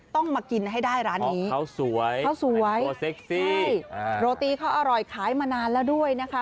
ต้องมากินให้ได้ร้านนี้เขาสวยโรตีเขาอร่อยขายมานานแล้วด้วยนะคะ